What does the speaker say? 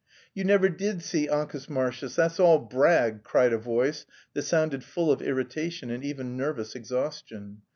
"You never did see Ancus Marcius, that's all brag," cried a voice that sounded full of irritation and even nervous exhaustion.